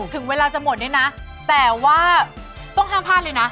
ถึงเวลาจะหมดเนี่ยนะแต่ว่าต้องห้ามพลาดเลยนะ